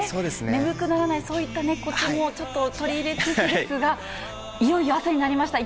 眠くならない、そういったこつもちょっと取り入れつつですが、いよいよあすになりました。